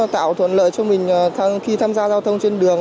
tạo thuận lợi cho mình khi tham gia giao thông trên đường